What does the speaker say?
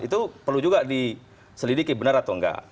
itu perlu juga diselidiki benar atau enggak